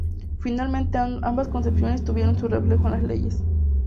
Finalmente ambas concepciones tuvieron su reflejo en las leyes.